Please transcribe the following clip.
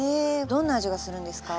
どんな味がするんですか？